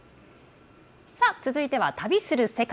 続いては「旅する世界」。